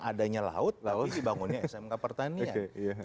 adanya laut lalu dibangunnya smk pertanian